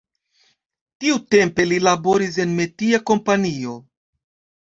Tiutempe li laboris en metia kompanio.